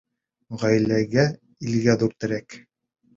Ғаиләгә, илгә ҙур терәк.